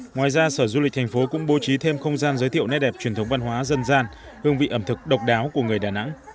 ngoài ra sở du lịch thành phố cũng bố trí thêm không gian giới thiệu nét đẹp truyền thống văn hóa dân gian hương vị ẩm thực độc đáo của người đà nẵng